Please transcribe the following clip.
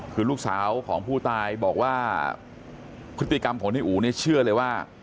คือลูกสาวของผู้ตายบอกว่าพฤติกรรมของนายอู๋เนี่ยเชื่อเลยว่า